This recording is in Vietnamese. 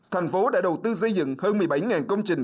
thành phố đã đầu tư xây dựng hơn một mươi bảy công trình